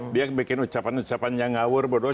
dia bikin ucapan ucapan yang ngawur bodoh